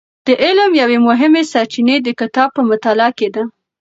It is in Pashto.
د علم یوې مهمې سرچینې د کتاب په مطالعه کې ده.